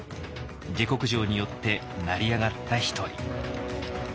下剋上によって成り上がった一人。